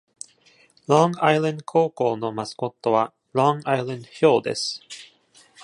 Long Island 高校のマスコットは Long Island ヒョウです。